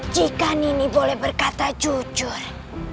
jika nini boleh berkata jujur